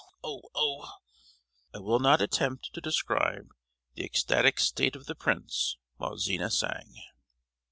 Oh, oh." I will not attempt to describe the ecstatic state of the prince while Zina sang.